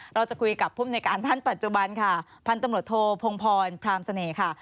เราจะคุยกับภูมิในการท่านปัจจุบันค่ะพันธมโรโธพงภรพราหมณ์เสน่ห์ค่ะ